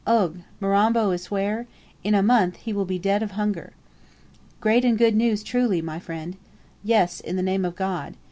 Ough Mirambo is where? In a month he will be dead of hunger." "Great and good news truly, my friend." "Yes in the name of God."